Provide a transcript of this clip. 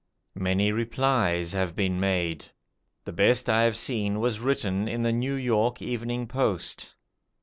Many "replies" have been made. The best I have seen was written in the 'New York Evening Post'.